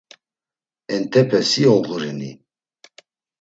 Entepe si oğurini.